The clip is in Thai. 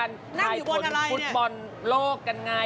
เรามีการถ่ายขนฟุตบอลโลกกันไง